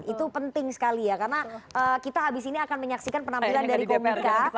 itu penting sekali ya karena kita habis ini akan menyaksikan penampilan dari komika